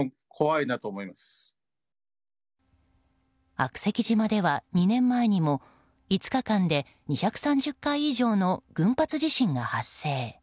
悪石島では２年前にも５日間で２３０回以上の群発地震が発生。